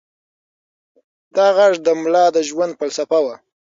دا غږ د ملا د ژوند فلسفه وه.